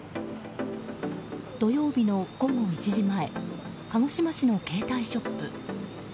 土曜日の午後１時前鹿児島市の携帯ショップ。